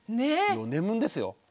４年ですよ。